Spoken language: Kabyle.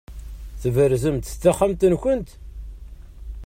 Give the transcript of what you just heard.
Tberzemt-d taxxamt-nkent?